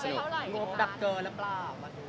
งบดับเกินหรือเปล่า